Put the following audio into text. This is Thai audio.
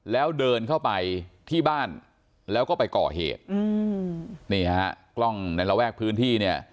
แล้วเดินเข้าไปที่บ้านแล้วก็ไปก่อเหตุอืมนี่ฮะกล้องในระแวกพื้นที่เนี่ย